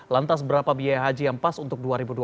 lantas berapa biaya haji yang pas untuk dua ribu dua puluh